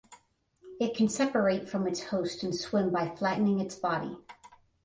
It can separate from its host and swim by flattening its body.